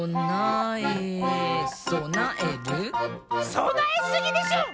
そなえすぎでしょ！